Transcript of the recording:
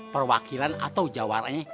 perwakilan atau jawaranya